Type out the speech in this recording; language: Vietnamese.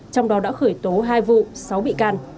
trong đó đã khởi tố hai vụ sáu bị can